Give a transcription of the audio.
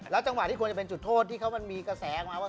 จังหวะที่ควรจะเป็นจุดโทษที่เขามันมีกระแสออกมาว่า